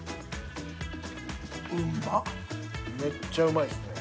めっちゃうまいっすね。